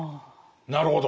なるほど。